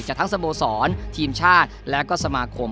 ทั้งสโมสรทีมชาติและก็สมาคม